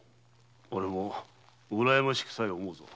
俺もうらやましくさえ思うぞ。